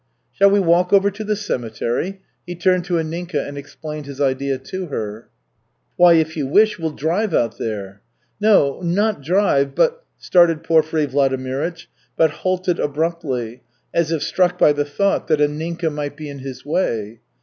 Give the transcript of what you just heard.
"Shall we walk over to the cemetery?" he turned to Anninka and explained his idea to her. "Why, if you wish, we'll drive out there." "No, not drive, but " started Porfiry Vladimirych, but halted abruptly, as if struck by the thought that Anninka might be in his way.